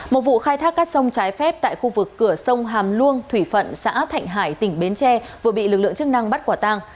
một vụ khai thác cát sông trái phép tại khu vực cửa sông hàm luông thủy phận xã thạnh hải tỉnh bến tre vừa bị lực lượng chức năng bắt quả tang